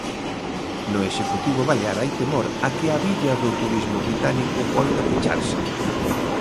No executivo balear hai temor a que a billa do turismo británico poida pecharse.